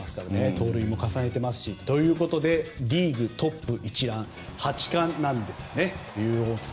盗塁も重ねていますしということでリーグトップ一覧８冠なんですね。